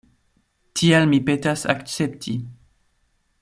Tial mi petas akcepti.